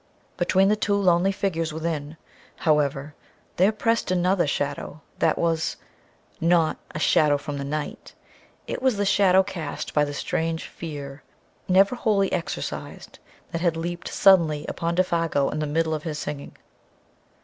Between the two lonely figures within, however, there pressed another shadow that was not a shadow from the night. It was the Shadow cast by the strange Fear, never wholly exorcised, that had leaped suddenly upon Défago in the middle of his singing.